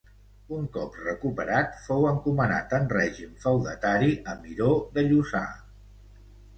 Un cop recuperat, fou encomanat, en règim feudatari, a Miró de Lluçà.